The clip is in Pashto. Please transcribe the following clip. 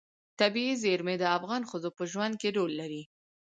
طبیعي زیرمې د افغان ښځو په ژوند کې رول لري.